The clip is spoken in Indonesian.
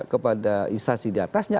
kepada instansi diatasnya